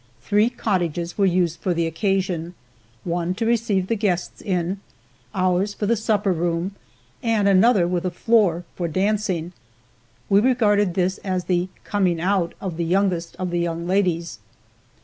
Three cottages were used for the occasion, one to receive the guests in, ours for the supper room, and another with a floor for dancing. We regarded this as the "coming out" of the youngest of the young ladies.